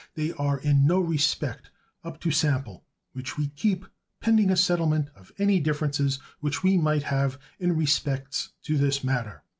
They are in no respect up to sample which we keep pending a settlement of any differences which we might have in respects to this matter.